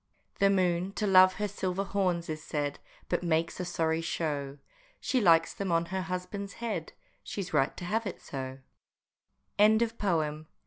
The moon to love her silver horns is said, But makes a sorry show; She likes them on her husband's head, She's right to have it so KLOPSTOCK AND WIELAND.